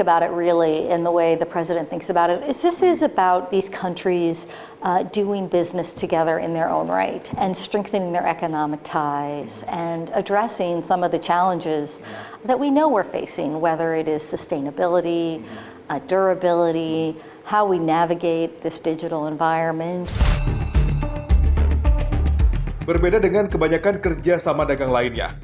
berbeda dengan kebanyakan kerjasama dagang lainnya